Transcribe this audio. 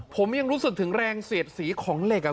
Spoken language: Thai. ผมยังรู้สึกถึงแรงเสียดสีของเหล็ก